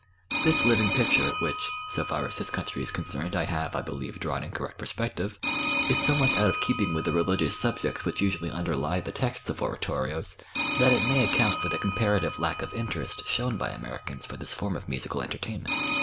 This living picture which, so far as this country is concerned, I have, I believe, drawn in correct perspective, is so much out of keeping with the religious subjects which usually underlie the texts of oratorios that it may account for the comparative lack of interest shown by Americans for this form of musical entertainment.